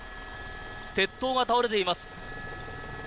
鉄塔が倒れています。